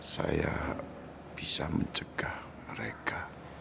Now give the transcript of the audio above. saya bisa mencegah mereka